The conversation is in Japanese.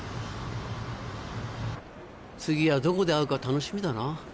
次はどこで会うか楽しみだな。